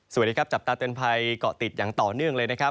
สวัสดีครับจับตาเตือนภัยเกาะติดอย่างต่อเนื่องเลยนะครับ